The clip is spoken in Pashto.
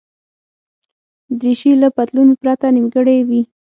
دریشي له پتلون پرته نیمګړې وي.